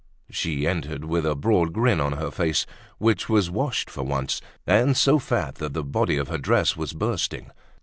She entered with a broad grin on her face, which was washed for once, and so fat that the body of her dress was bursting.